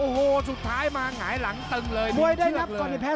วันนี้ทรงเรื่องด้วยนะ